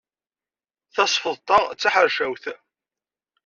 Tasfeḍt-a d taḥercawt.